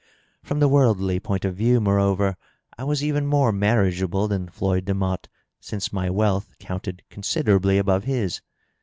From the worldly point of view, moreover, I was even more marriageable than Floyd Demotte, since my wealth counted considerably above his.